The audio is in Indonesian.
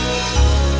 sekarang jelek sorang